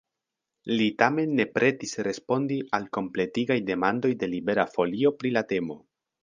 Li tamen ne pretis respondi al kompletigaj demandoj de Libera Folio pri la temo.